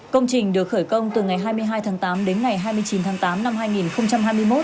công trình được khởi công từ ngày hai mươi hai tháng tám đến ngày hai mươi chín tháng tám năm hai nghìn hai mươi một